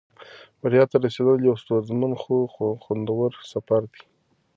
بریا ته رسېدل یو ستونزمن خو خوندور سفر دی.